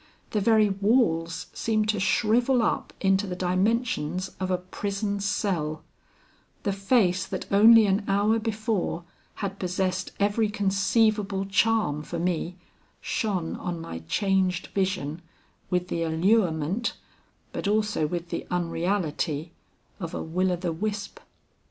The very walls seemed to shrivel up into the dimensions of a prison's cell; the face that only an hour before had possessed every conceivable charm for me, shone on my changed vision with the allurement, but also with the unreality of a will o' the wisp.